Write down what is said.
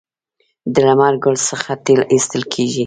د لمر ګل څخه تیل ایستل کیږي.